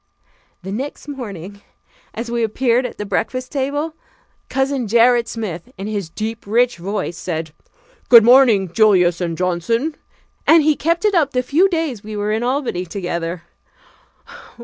The next morning as we appeared at the breakfast table, Cousin Gerrit Smith, in his deep, rich voice said: "Good morning, Julius and Johnson," and he kept it up the few days we were in Albany together.